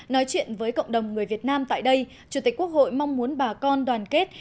nói chuyện với cộng đồng người việt nam tại đây chủ tịch quốc hội mong muốn bà con đoàn kết